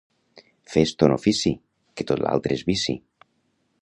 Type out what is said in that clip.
Fes ton ofici, que tot l'altre és vici.